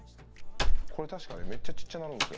これ確かねめっちゃ小っちゃなるんすよ